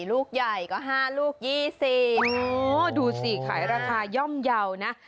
ลูกใหญ่ก็๕ลูก๒๐ดูสิขายราคาย่อมเยาว์นะ